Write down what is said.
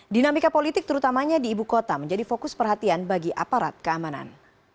dinamika politik terutamanya di ibu kota menjadi fokus perhatian bagi aparat keamanan